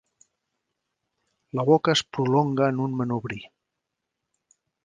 La boca es prolonga en un manubri.